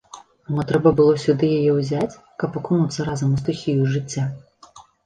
А мо трэба было сюды яе ўзяць, каб акунуцца разам у стыхію жыцця?